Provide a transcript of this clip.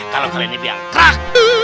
kalau kalian ini piang krak